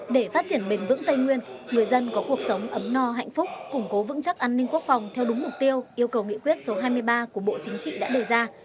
để phát triển bền vững tây nguyên người dân có cuộc sống ấm no hạnh phúc củng cố vững chắc an ninh quốc phòng theo đúng mục tiêu yêu cầu nghị quyết số hai mươi ba của bộ chính trị đã đề ra